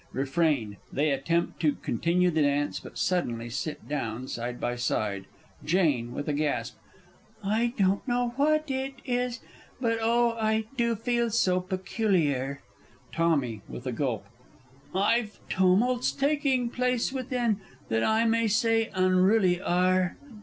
[Refrain; they attempt to continue the dance but suddenly sit down side by side. Jane (with a gasp). I don't know what it is but, oh, I do feel so peculiar! Tommy (with a gulp). I've tumults taking place within that I may say unruly are.